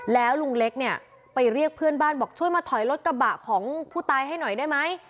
แล้วลุงเล็กเนี่ยไปเรียกเพื่อนบ้านบอกช่วยมาถอยรถกระบะของผู้ตายให้หน่อยได้ไหม